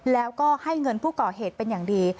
แล้วก็ให้เงินผู้ก่อเหตุเป็นอย่างดี